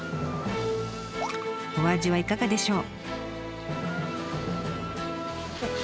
お味はいかがでしょう？